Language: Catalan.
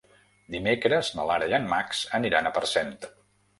Dimecres na Lara i en Max aniran a Parcent.